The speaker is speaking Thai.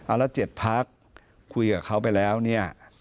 แล้ว๗พักคุยกับเขาไปแล้วเนี่ย